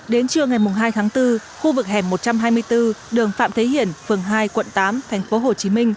đến trưa ngày hai tháng bốn khu vực hẻm một trăm hai mươi bốn đường phạm thế hiển phường hai quận tám tp hcm